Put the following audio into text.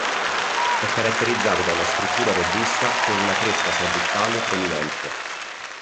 È caratterizzato da una struttura robusta con una cresta sagittale prominente.